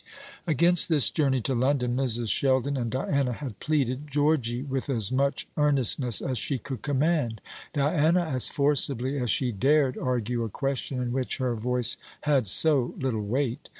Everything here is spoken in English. Against this journey to London Mrs. Sheldon and Diana had pleaded Georgy with as much earnestness as she could command; Diana as forcibly as she dared argue a question in which her voice had so little weight.